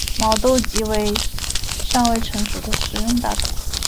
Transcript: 毛豆即为尚未成熟的食用大豆。